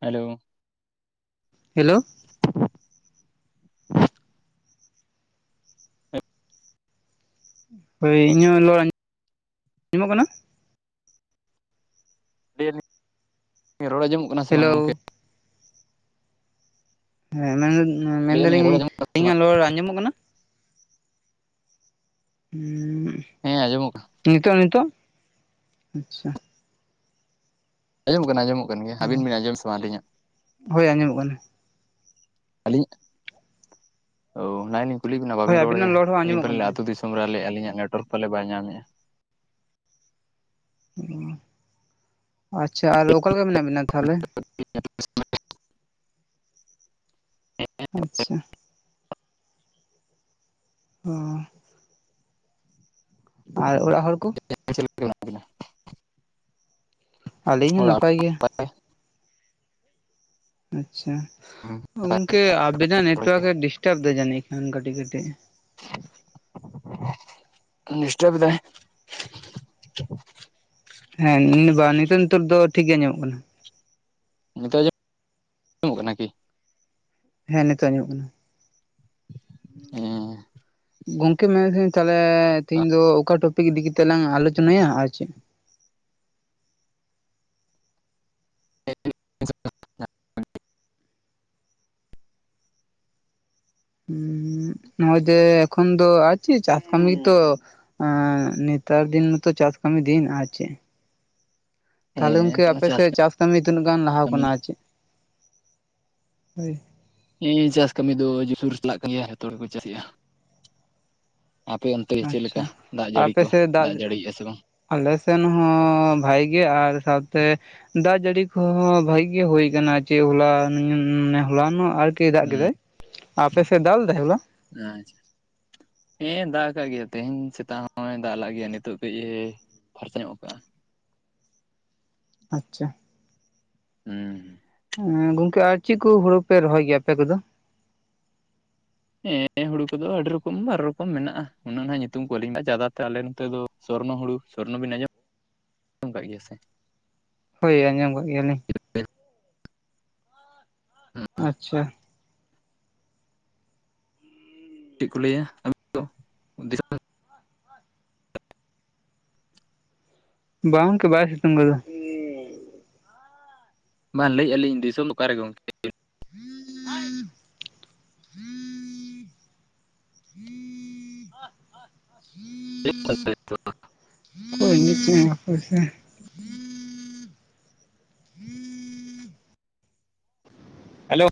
Hello, hello, ᱦᱳᱭ ᱤᱧᱟᱹᱜ ᱨᱚᱲ ᱟᱸᱡᱚᱢᱚᱜ ᱠᱟᱱᱟ? ᱨᱚᱲ ᱟᱸᱚᱢᱚᱜ ᱠᱟᱱᱟ ᱥᱮ ᱵᱟᱝ ᱦᱮᱞᱳ ᱜᱚᱝᱠᱮ? ᱦᱮᱸ ᱢᱮᱱ ᱞᱟᱹᱭᱮᱫᱼᱟ ᱞᱤᱧ ᱨᱚᱲ ᱢᱮᱱᱫᱟᱞᱤᱧ ᱟᱸᱡᱚᱢᱚᱜ ᱠᱟᱱᱟ ᱥᱮ ᱵᱟᱝ ᱟᱹᱞᱤᱧᱟᱜ ᱨᱚᱲ ᱟᱸᱡᱚᱢᱚᱜ ᱠᱟᱱᱟ? ᱦᱩᱸ ᱦᱮᱸ ᱟᱡᱚᱢᱚᱜ ᱠᱟᱱᱟ ᱾ ᱱᱤᱛᱚᱜ ᱱᱤᱛᱚᱜ? ᱟᱪᱪᱷᱟ ᱾ ᱟᱸᱚᱢᱚᱜ ᱠᱟᱱᱟ ᱟᱡᱸᱚᱢᱚᱜ ᱠᱟᱱ ᱜᱮᱭᱟ ᱟᱹᱵᱤᱱ ᱵᱤᱱ ᱟᱸᱡᱚᱢ ᱥᱮ ᱵᱟᱝ ᱟᱹᱞᱤᱧᱟᱜ? ᱦᱳᱭ ᱟᱸᱡᱚᱢᱚᱜ ᱠᱟᱱᱟ ᱾ ᱟᱹᱞᱤᱧ ᱚ ᱚᱱᱟ ᱞᱤᱧ ᱠᱩᱞᱤ ᱵᱤᱱᱟ ᱦᱳᱭ ᱵᱟᱵᱤᱱ ᱟᱵᱤᱱᱟᱜ ᱨᱚᱲᱮᱫᱼᱟ ᱨᱚᱲ ᱦᱚᱸ ᱟᱹᱞᱤᱧ ᱟᱸᱡᱚᱢᱚᱜ ᱠᱟᱱᱟ ᱯᱟᱞᱮ ᱟᱨ ᱟᱹᱛᱩ ᱪᱮᱫ ᱫᱤᱥᱚᱢ ᱢᱳᱵᱟᱭᱤᱞ ᱨᱮ ᱟᱞᱤᱧᱟᱜ ᱱᱮᱴᱳᱣᱟᱨᱠ ᱯᱟᱞᱮ ᱵᱟᱭ ᱧᱟᱢᱮᱫᱼᱟ ᱾ ᱚ ᱟᱪᱪᱷᱟ ᱟᱨ ᱚᱠᱟᱞᱮᱠᱟ ᱢᱮᱱᱟᱜ ᱵᱤᱱᱟ ᱛᱟᱦᱚᱞᱮ? [unintelligible] ᱟᱪᱪᱷᱟ, ᱦᱩᱸ, ᱟᱨ ᱚᱲᱟᱜ ᱦᱚᱲ ᱠᱚ? ᱟᱵᱤᱱ ᱪᱮᱫ ᱞᱮᱠᱟ ᱢᱮᱱᱟᱜ ᱵᱤᱱᱟ? ᱟᱹᱞᱤᱧ ᱦᱚᱸ ᱚᱲᱟᱜ ᱱᱟᱯᱟᱭ ᱜᱮᱭᱟ ᱾ ᱟᱪᱪᱷᱟ ᱜᱚᱝᱠᱮ ᱟᱵᱤᱱᱟᱜ ᱠᱚᱨᱮ ᱱᱮᱴᱣᱟᱨᱠ ᱮ ᱰᱤᱥᱴᱟᱵ ᱫᱟ ᱡᱟᱹᱱᱤᱡ ᱠᱷᱟᱱ ᱠᱟᱹᱴᱤᱜ ᱠᱟᱹᱴᱤᱜ ᱰᱤᱥᱴᱟᱵ ᱫᱟᱭ ᱦᱮᱸ ᱵᱟᱝ ᱱᱤᱛᱚᱜ ᱱᱤᱛᱚᱜ ᱫᱚ ᱴᱷᱤᱠ ᱜᱮ ᱟᱡᱚᱢᱚᱜ ᱠᱟᱱᱟ ᱾ ᱱᱤᱛᱚᱜ ᱟᱸᱡᱚᱢᱚᱜ ᱠᱟᱱᱟ ᱠᱤ ᱦᱮᱸ ᱱᱤᱛᱚᱜ ᱟᱡᱚᱢᱚᱜ ᱠᱟᱱᱟ ᱾ ᱦᱮᱸ ᱜᱚᱝᱠᱮ ᱢᱮᱱᱮᱫ ᱛᱟᱦᱮᱧ ᱛᱟᱦᱚᱞᱮ ᱛᱮᱦᱤᱧ ᱫᱚ ᱚᱠᱟ ᱴᱚᱯᱤᱠ ᱤᱫᱤᱠᱟᱛᱮᱜ ᱞᱟᱝ ᱟᱞᱳᱪᱚᱱᱟᱭᱟ ᱟᱨ ᱪᱮᱫ ᱱᱚᱸᱜᱼᱚᱭ ᱡᱮ ᱮᱠᱷᱚᱱ ᱫᱚ ᱟᱨ ᱪᱮᱫ ᱪᱟᱥ ᱠᱟᱹᱢᱤ ᱛᱚ ᱦᱮᱸ ᱱᱮᱛᱟᱨ ᱫᱤᱱ ᱢᱟᱛᱚ ᱪᱟᱥ ᱠᱟᱹᱢᱤ ᱫᱤᱱ ᱟᱨ ᱪᱮᱜ᱾ [inaudible] ᱛᱟᱦᱚᱞᱮ ᱦᱮᱸ ᱜᱚᱢᱠᱮ ᱛᱚ ᱟᱯᱮ ᱥᱮᱫ ᱪᱟᱥ ᱠᱟᱹᱢᱤ ᱛᱤᱱᱟᱹᱜ ᱜᱟᱱ ᱞᱟᱦᱟ ᱠᱟᱹᱢᱤ ᱠᱟᱱᱟ ᱪᱮᱫ ᱦᱳᱭ ᱦᱮᱸ ᱪᱟᱥ ᱠᱟᱹᱢᱤ ᱫᱚ ᱡᱩᱨ ᱪᱟᱞᱟᱜ ᱠᱟᱱ ᱜᱮᱭᱟ ᱡᱚᱛᱚ ᱦᱚᱲᱠᱚ ᱪᱟᱥᱮᱫᱼᱟ ᱟᱯᱮ ᱚᱱᱛᱮ ᱚᱱᱛᱮ ᱜᱮ ᱪᱮᱫ ᱞᱮᱠᱟ ᱟᱪᱪᱷᱟ ᱫᱟᱜ ᱡᱟᱹᱲᱤ ᱠᱚ ᱫᱟᱜ ᱡᱟᱹᱲᱤᱭᱮᱫᱼᱟ ᱥᱮ ᱵᱟᱝ ᱟᱞᱮᱥᱱ ᱦᱚᱸ ᱵᱷᱟᱜᱤ ᱜᱮ ᱟᱨ ᱥᱟᱶᱛᱮ ᱫᱟᱜ ᱡᱟᱹᱲᱤ ᱠᱚᱦᱚᱸ ᱵᱷᱟᱜᱤ ᱜᱮ ᱦᱳᱭ ᱟᱠᱟᱱᱟ ᱪᱮᱫ ᱦᱚᱞᱟ ᱦᱚᱞᱟ ᱱᱟᱜ ᱟᱨᱠᱤ ᱫᱟᱜ ᱦᱩᱸ ᱠᱮᱫᱟᱭ ᱟᱯᱮᱥᱮᱫ ᱫᱟᱞ ᱞᱮᱫᱟᱭ ᱦᱚᱞᱟ ᱟᱪᱪᱷᱟ ᱦᱮᱸ ᱫᱟᱜ ᱠᱟᱜ ᱜᱮᱭᱟ ᱛᱮᱦᱤᱧ ᱥᱮᱛᱟᱜ ᱦᱚᱸᱭ ᱫᱟᱜ ᱞᱟᱜ ᱜᱮᱭᱟ ᱱᱤᱛᱳᱜ ᱠᱟᱹᱡ ᱮ ᱯᱷᱟᱨᱪᱟ ᱧᱚᱜ ᱟᱠᱟᱜᱼᱟ ᱟᱪᱪᱷᱟ ᱦᱮᱸ ᱦᱸ ᱜᱚᱝᱠᱮ ᱟᱨ ᱪᱮᱫ ᱠᱚ ᱦᱩᱲᱩ ᱯᱮ ᱨᱚᱦᱚᱭ ᱜᱮᱭᱟ ᱟᱯᱮ ᱠᱚᱫᱚ ᱦᱮᱸ ᱦᱩᱲᱩ ᱠᱚᱫᱚ ᱟᱹᱰᱤ ᱨᱚᱠᱚᱢ ᱵᱟᱨ ᱨᱚᱠᱚᱢ ᱢᱮᱱᱟᱜᱼᱟ ᱩᱱᱟᱹᱜ ᱵᱟᱦ ᱧᱩᱛᱩᱢ ᱠᱚ ᱟᱹᱞᱤᱧ ᱡᱟᱫᱟ ᱛᱮ ᱟᱞᱮ ᱱᱚᱛᱮ ᱫᱚ ᱥᱚᱨᱱᱚ ᱦᱩᱲᱩ ᱥᱚᱨᱱᱚ ᱵᱤᱱ ᱟᱸᱡᱚᱢ ᱠᱟᱜ ᱜᱮᱭᱟ ᱥᱮ ᱦᱳᱭ ᱟᱸᱡᱚᱢ ᱠᱟᱜ ᱜᱮᱭᱟᱞᱤᱧ ᱟᱪᱪᱷᱟ ᱪᱮᱫ ᱠᱚ ᱞᱟᱹᱭᱟ ᱫᱚ ᱫᱤᱥᱚᱢ ᱵᱟᱝ ᱚᱝᱠᱮ ᱵᱟᱭ ᱥᱤᱛᱩᱝ ᱠᱟᱫᱚ ᱵᱟᱝ ᱞᱟᱹᱭᱮᱜᱼᱟᱞᱤᱧ ᱫᱤᱥᱚᱢ ᱫᱚ ᱚᱠᱟᱨᱮ ᱜᱚᱝᱠᱮ [inaudible] [unintelligible] ᱠᱚᱭᱱ [unintelligible] ᱦᱮᱞᱳ